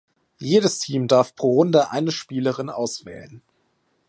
Jedes Team darf pro Runde eine Spielerin auswählen.